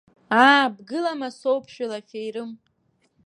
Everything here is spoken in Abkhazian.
Аа, бгылама, соуԥшәыл, аферым!